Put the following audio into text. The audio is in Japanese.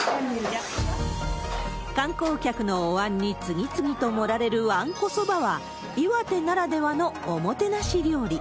観光客のおわんに次々と盛られるわんこそばは、岩手ならではのおもてなし料理。